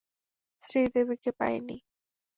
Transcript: শ্রী দেবীকে পাইনি।